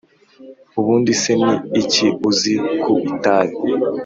Ubundi se ni iki uzi ku itabi